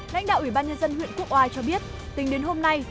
lãnh đạo ủy ban nhân dân huyện quốc oai cho biết tính đến hôm nay